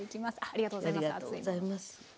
ありがとうございます熱いもの。